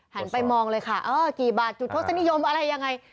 หันไปมองเลยค่ะกี่บาทจุดโทษนิยมอะไรยังไง